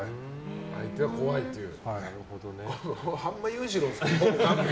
相手は怖いという。